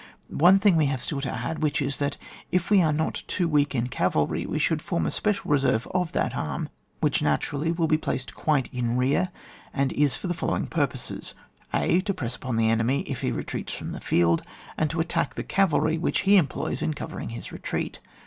One thing we have still to add, which is, that if we are not too weak in cavalry, we should form a special reserve of that arm, which naturally will be placed quite in rear, and is for the following purposes :— (a) To press upon the enemy, if he relareats from the field, and to attack the cavalry which he employs in covering his retreat.